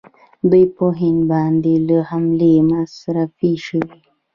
دوی په هند باندې له حملې منصرفې شوې.